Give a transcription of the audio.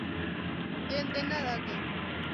Den-dena daki.